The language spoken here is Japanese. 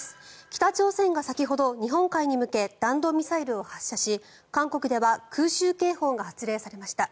北朝鮮が先ほど日本海に向け弾道ミサイルを発射し韓国では空襲警報が発令されました。